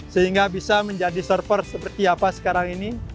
sehingga bisa menjadi server seperti apa sekarang ini